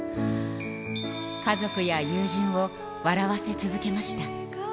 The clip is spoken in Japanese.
家族や友人を笑わせ続けました。